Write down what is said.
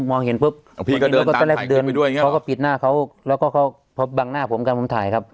มองเห็นปุ๊บพี่ก็เดินตามถ่ายคลิปไปด้วยเขาก็ปิดหน้าเขาแล้วก็เขาบังหน้าผมกันผมถ่ายครับ